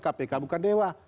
kpk bukan dewa